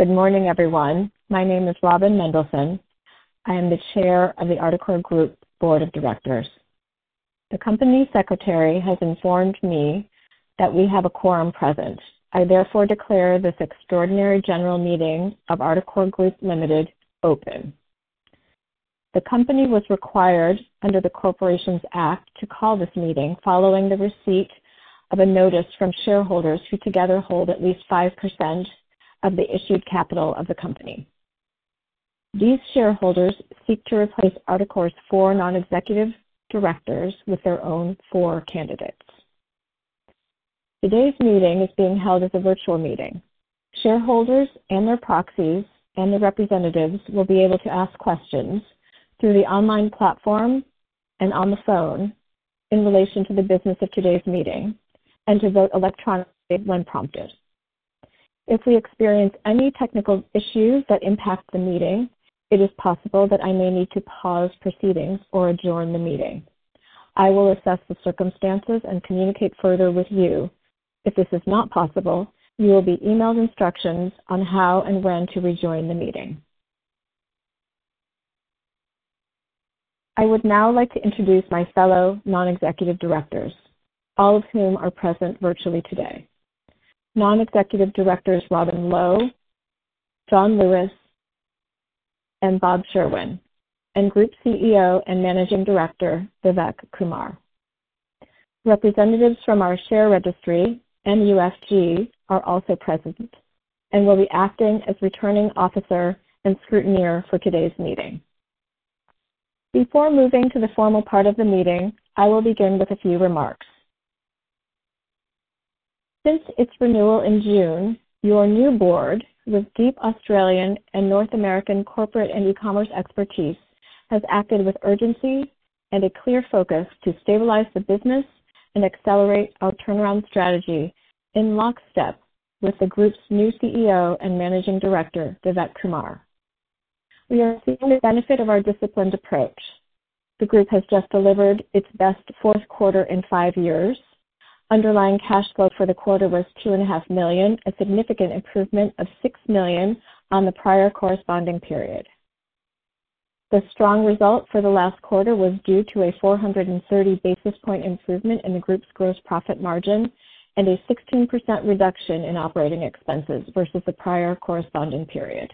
Good morning, everyone. My name is Robin Mendelson. I am the Chair of the Articore Group Board of Directors. The Company Secretary has informed me that we have a quorum present. I therefore declare this extraordinary general meeting of Articore Group Limited open. The company was required under the Corporations Act to call this meeting following the receipt of a notice from shareholders who together hold at least 5% of the issued capital of the company. These shareholders seek to replace Articore's four non-executive directors with their own four candidates. Today's meeting is being held as a virtual meeting. Shareholders and their proxies and their representatives will be able to ask questions through the online platform and on the phone in relation to the business of today's meeting and to vote electronically when prompted. If we experience any technical issues that impact the meeting, it is possible that I may need to pause proceedings or adjourn the meeting. I will assess the circumstances and communicate further with you. If this is not possible, you will be emailed instructions on how and when to rejoin the meeting. I would now like to introduce my fellow non-executive directors, all of whom are present virtually today: Non-Executive Directors Robin Low, John Lewis, and Robert Sherwin, and Group CEO and Managing Director Vivek Kumar. Representatives from our share registry, MUSG, are also present and will be acting as returning officer and scrutineer for today's meeting. Before moving to the formal part of the meeting, I will begin with a few remarks. Since its renewal in June, your new board, with deep Australian and North American corporate and e-commerce expertise, has acted with urgency and a clear focus to stabilize the business and accelerate our turnaround strategy in lockstep with the group's new CEO and Managing Director, Vivek Kumar. We are seeing the benefit of our disciplined approach. The group has just delivered its best fourth quarter in five years. Underlying cash flow for the quarter was $2.5 million, a significant improvement of $6 million on the prior corresponding period. The strong result for the last quarter was due to a 430 basis point improvement in the group's gross profit margin and a 16% reduction in operating expenses versus the prior corresponding period.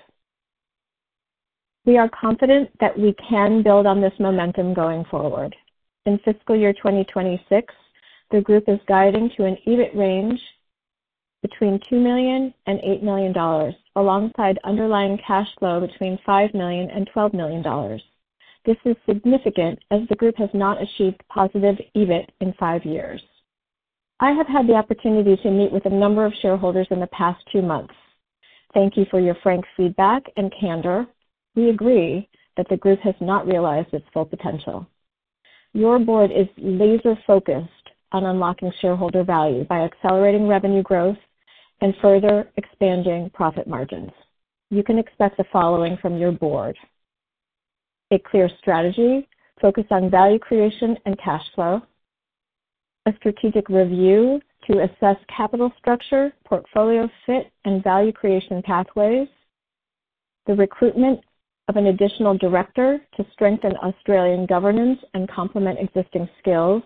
We are confident that we can build on this momentum going forward. In fiscal year 2026, the group is guiding to an EBIT range between $2 million and $8 million, alongside underlying cash flow between $5 million and $12 million. This is significant as the group has not achieved positive EBIT in five years. I have had the opportunity to meet with a number of shareholders in the past two months. Thank you for your frank feedback and candor. We agree that the group has not realized its full potential. Your board is laser-focused on unlocking shareholder value by accelerating revenue growth and further expanding profit margins. You can expect the following from your board: a clear strategy focused on value creation and cash flow, a strategic review to assess capital structure, portfolio fit, and value creation pathways, the recruitment of an additional director to strengthen Australian governance and complement existing skills,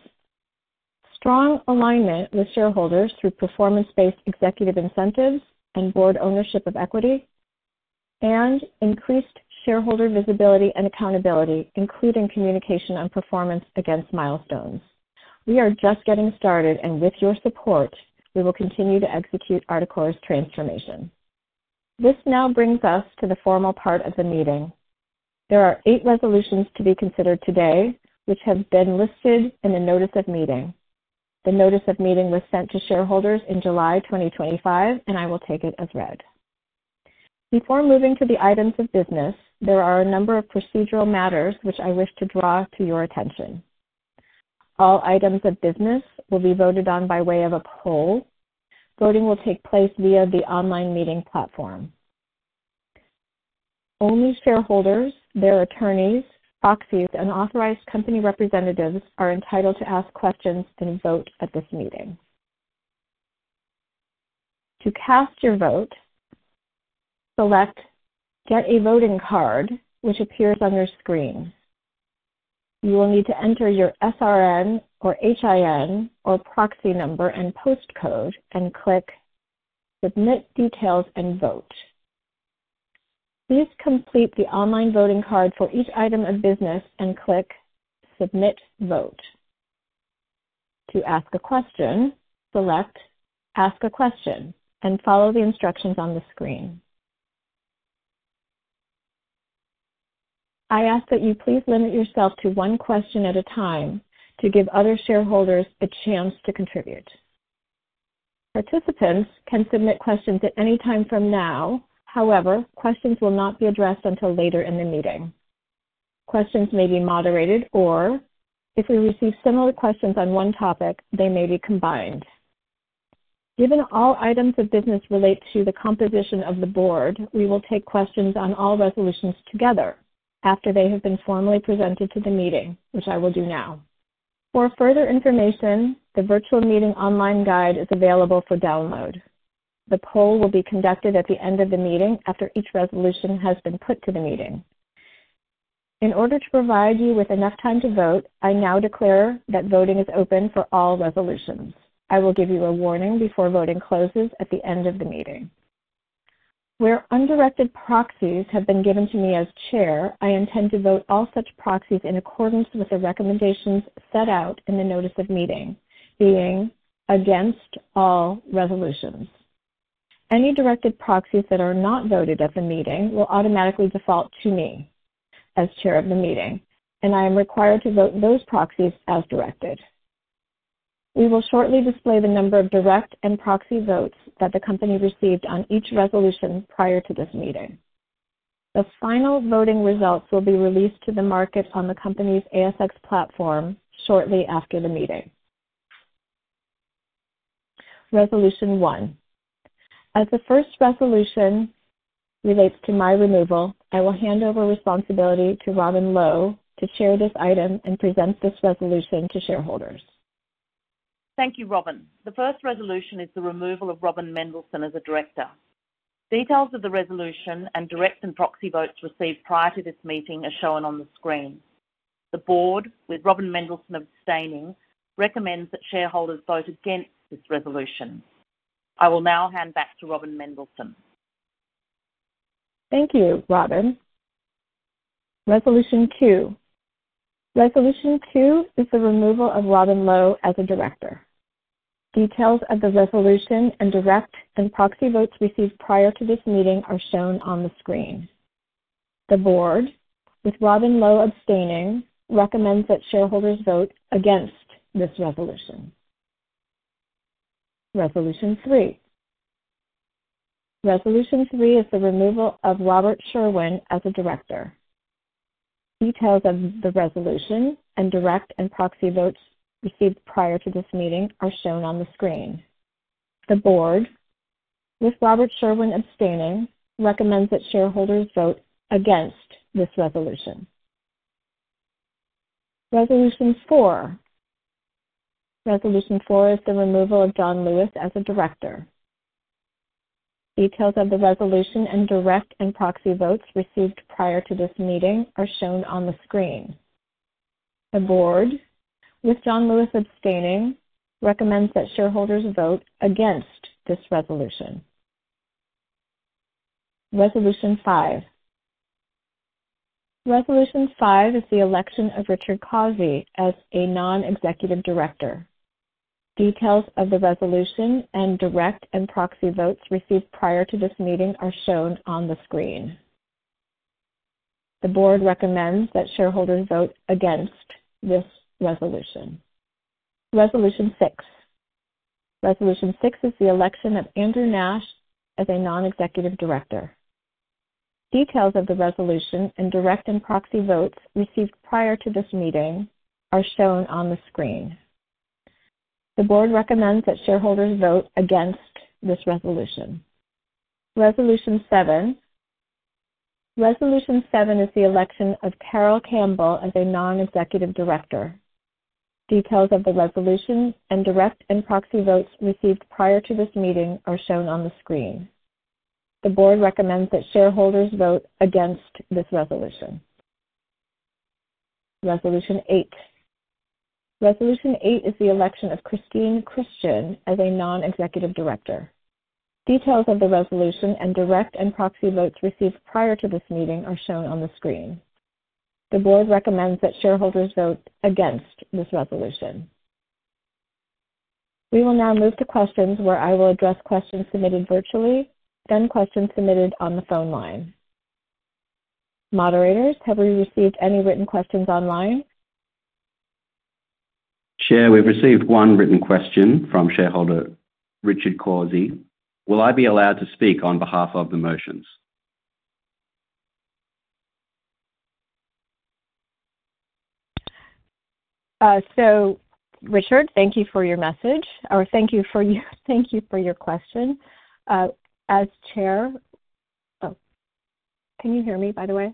strong alignment with shareholders through performance-based executive incentives and board ownership of equity, and increased shareholder visibility and accountability, including communication on performance against milestones. We are just getting started, and with your support, we will continue to execute Articore's transformation. This now brings us to the formal part of the meeting. There are eight resolutions to be considered today, which have been listed in the notice of meeting. The notice of meeting was sent to shareholders in July 2025, and I will take it as read. Before moving to the items of business, there are a number of procedural matters which I wish to draw to your attention. All items of business will be voted on by way of a poll. Voting will take place via the online meeting platform. Only shareholders, their attorneys, proxies, and authorized company representatives are entitled to ask questions and vote at this meeting. To cast your vote, select "Get a voting card," which appears on your screen. You will need to enter your SRN or HIN or proxy number and postcode and click "Submit Details and Vote." Please complete the online voting card for each item of business and click "Submit Vote." To ask a question, select "Ask a Question" and follow the instructions on the screen. I ask that you please limit yourself to one question at a time to give other shareholders a chance to contribute. Participants can submit questions at any time from now; however, questions will not be addressed until later in the meeting. Questions may be moderated, or if we receive similar questions on one topic, they may be combined. Given all items of business relate to the composition of the board, we will take questions on all resolutions together after they have been formally presented to the meeting, which I will do now. For further information, the virtual meeting online guide is available for download. The poll will be conducted at the end of the meeting after each resolution has been put to the meeting. In order to provide you with enough time to vote, I now declare that voting is open for all resolutions. I will give you a warning before voting closes at the end of the meeting. Where undirected proxies have been given to me as chair, I intend to vote all such proxies in accordance with the recommendations set out in the notice of meeting, being against all resolutions. Any directed proxies that are not voted at the meeting will automatically default to me as chair of the meeting, and I am required to vote those proxies as directed. We will shortly display the number of direct and proxy votes that the company received on each resolution prior to this meeting. The final voting results will be released to the market on the company's ASX platform shortly after the meeting. Resolution one. As the first resolution relates to my removal, I will hand over responsibility to Robin Low to chair this item and present this resolution to shareholders. Thank you, Robin. The first resolution is the removal of Robin Mendelson as a Director. Details of the resolution and direct and proxy votes received prior to this meeting are shown on the screen. The Board, with Robin Mendelson abstaining, recommends that shareholders vote against this resolution. I will now hand back to Robin Mendelson. Thank you, Robin. Resolution two. Resolution two is the removal of Robin Low as a director. Details of the resolution and direct and proxy votes received prior to this meeting are shown on the screen. The Board, with Robin Low abstaining, recommends that shareholders vote against this resolution. Resolution three. Resolution three is the removal of Robert Sherwin as a Director. Details of the resolution and direct and proxy votes received prior to this meeting are shown on the screen. The Board, with Robert Sherwin abstaining, recommends that shareholders vote against this resolution. Resolution four. Resolution four is the removal of John Lewis as a Director. Details of the resolution and direct and proxy votes received prior to this meeting are shown on the screen. The Board, with John Lewis abstaining, recommends that shareholders vote against this resolution. Resolution five. Resolution five is the election of Richard Cozzi as a Non-Executive Director. Details of the resolution and direct and proxy votes received prior to this meeting are shown on the screen. The Board recommends that shareholders vote against this resolution. Resolution six. Resolution six is the election of Andrew Nash as a Non-Executive Director. Details of the resolution and direct and proxy votes received prior to this meeting are shown on the screen. The Board recommends that shareholders vote against this resolution. Resolution seven. Resolution seven is the election of Carole Campbell as a Non-Executive Director. Details of the resolution and direct and proxy votes received prior to this meeting are shown on the screen. The Board recommends that shareholders vote against this resolution. Resolution eight. Resolution eight is the election of Christine Christian as a Non-Executive Director. Details of the resolution and direct and proxy votes received prior to this meeting are shown on the screen. The Board recommends that shareholders vote against this resolution. We will now move to questions where I will address questions submitted virtually, then questions submitted on the phone line. Moderators, have we received any written questions online? Chair, we've received one written question from shareholder Richard Cozzi. Will I be allowed to speak on behalf of the motions? Richard, thank you for your message, or thank you for your question. As Chair, can you hear me, by the way?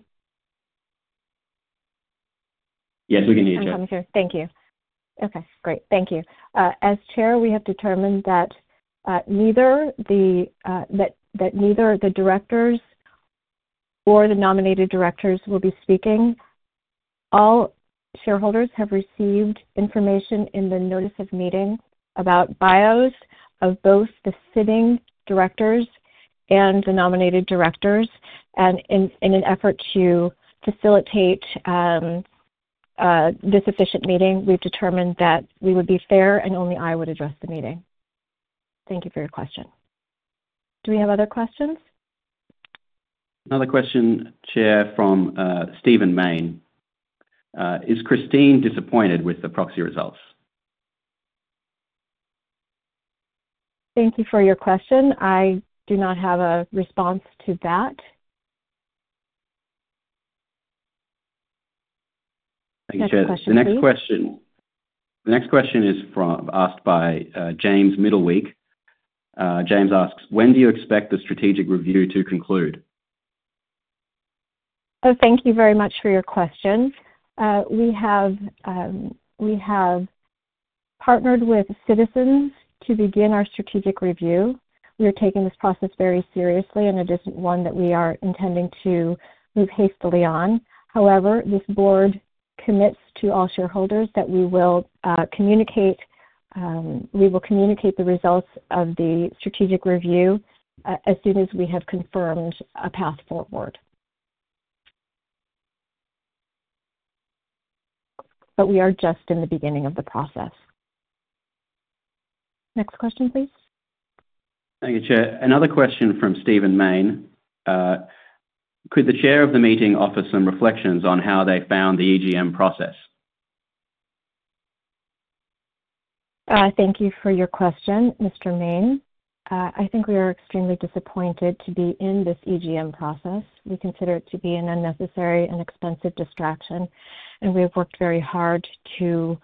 Yes, we can hear you, Chair. Okay, I'm here. Thank you. Okay, great. Thank you. As Chair, we have determined that neither the directors nor the nominated directors will be speaking. All shareholders have received information in the notice of meeting about bios of both the sitting directors and the nominated directors, and in an effort to facilitate this efficient meeting, we've determined that we would be fair and only I would address the meeting. Thank you for your question. Do we have other questions? Another question, Chair, from Stephen Main. Is Christine disappointed with the proxy results? Thank you for your question. I do not have a response to that. Thank you, Chair. Next question. The next question is asked by James Middleweek. James asks, "When do you expect the strategic review to conclude? Thank you very much for your question. We have partnered with citizens to begin our strategic review. We are taking this process very seriously, and it isn't one that we are intending to move hastily on. However, this board commits to all shareholders that we will communicate the results of the strategic review as soon as we have confirmed a path forward. We are just in the beginning of the process. Next question, please. Thank you, Chair. Another question from Stephen Main. Could the Chair of the meeting offer some reflections on how they found the EGM process? Thank you for your question, Mr. Main. I think we are extremely disappointed to be in this EGM process. We consider it to be an unnecessary and expensive distraction, and we have worked very hard to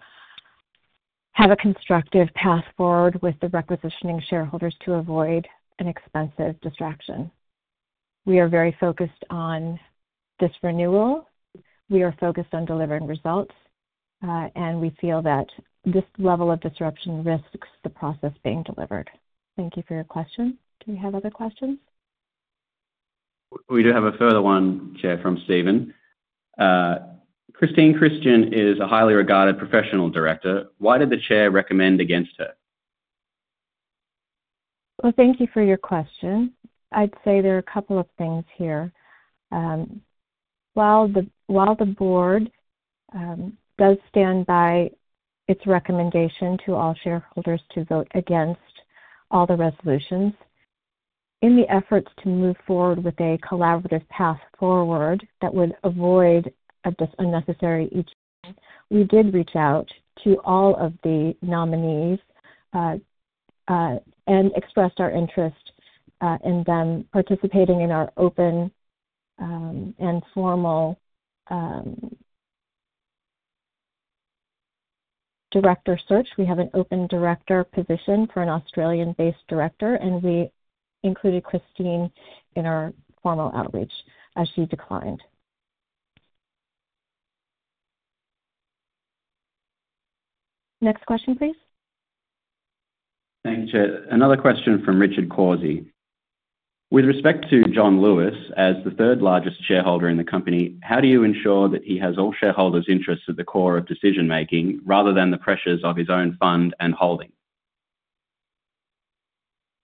have a constructive path forward with the requisitioning shareholders to avoid an expensive distraction. We are very focused on this renewal, focused on delivering results, and we feel that this level of disruption risks the process being delivered. Thank you for your question. Do we have other questions? We do have a further one, Chair, from Stephen. Christine Christian is a highly regarded Professional Director. Why did the Chair recommend against her? Thank you for your question. I'd say there are a couple of things here. While the board does stand by its recommendation to all shareholders to vote against all the resolutions, in the efforts to move forward with a collaborative path forward that would avoid an unnecessary extraordinary general meeting, we did reach out to all of the nominees and expressed our interest in them participating in our open and formal director search. We have an open director position for an Australian-based director, and we included Christine Christian in our formal outreach as she declined. Next question, please. Thank you, Chair. Another question from Richard Cozzi. With respect to John Lewis as the third largest shareholder in the company, how do you ensure that he has all shareholders' interests at the core of decision-making rather than the pressures of his own fund and holding?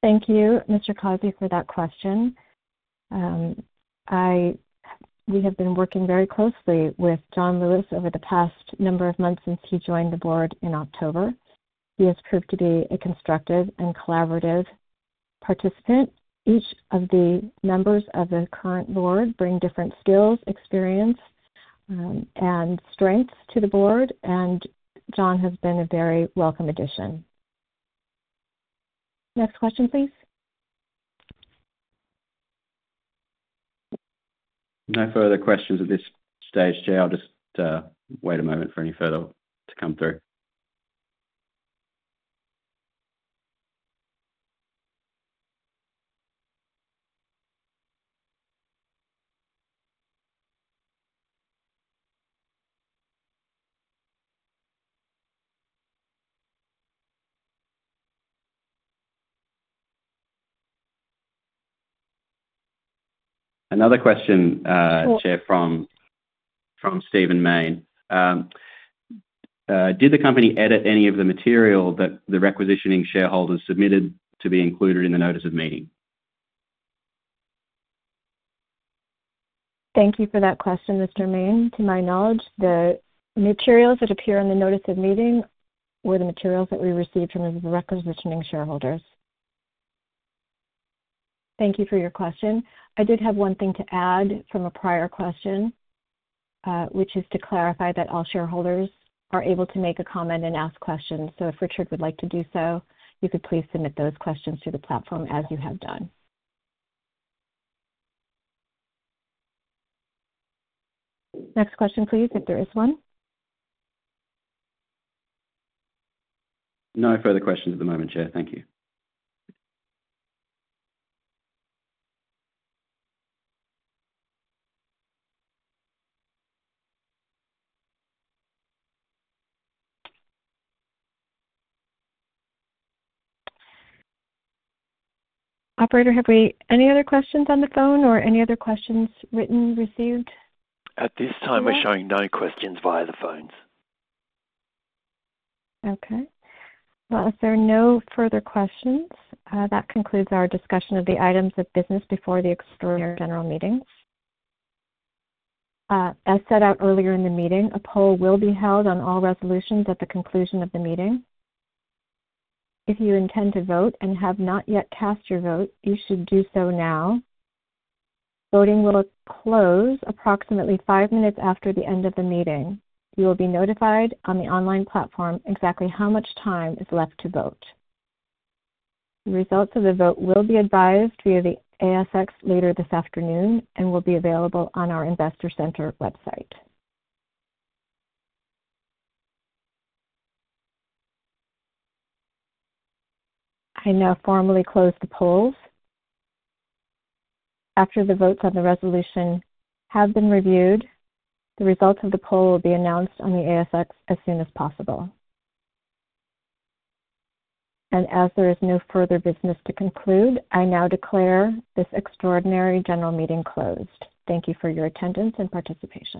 Thank you, Mr. Cozzi, for that question. We have been working very closely with John Lewis over the past number of months since he joined the board in October. He has proved to be a constructive and collaborative participant. Each of the members of the current board brings different skills, experience, and strengths to the board, and John has been a very welcome addition. Next question, please. No further questions at this stage, Chair. I'll just wait a moment for any further to come through. Another question, Chair, from Stephen Main. Did the company edit any of the material that the requisitioning shareholders submitted to be included in the notice of meeting? Thank you for that question, Mr. Main. To my knowledge, the materials that appear on the notice of meeting were the materials that we received from the requisitioning shareholders. Thank you for your question. I did have one thing to add from a prior question, which is to clarify that all shareholders are able to make a comment and ask questions. If Richard would like to do so, you could please submit those questions to the platform as you have done. Next question, please, if there is one. No further questions at the moment, Chair. Thank you. Operator, have we any other questions on the phone or any other questions written received? At this time, we're showing no questions via the phones. If there are no further questions, that concludes our discussion of the items of business before the extraordinary general meeting. As set out earlier in the meeting, a poll will be held on all resolutions at the conclusion of the meeting. If you intend to vote and have not yet cast your vote, you should do so now. Voting will close approximately five minutes after the end of the meeting. You will be notified on the online platform exactly how much time is left to vote. The results of the vote will be advised via the ASX later this afternoon and will be available on our Investor Center website. I now formally close the polls. After the votes on the resolution have been reviewed, the results of the poll will be announced on the ASX as soon as possible. As there is no further business to conclude, I now declare this extraordinary general meeting closed. Thank you for your attendance and participation.